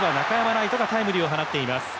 礼都がタイムリーを放っています。